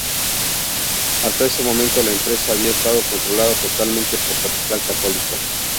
Hasta ese momento, la empresa había estado controlada totalmente por capital católico.